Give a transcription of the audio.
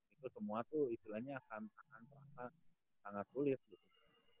itu semua tuh istilahnya akan terasa sangat sulit gitu